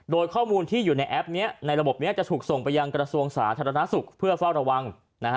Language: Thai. โดยข้อมูลที่อยู่ในแอปนี้ในระบบนี้จะถูกส่งไปยังกระทรวงสาธารณสุขเพื่อเฝ้าระวัง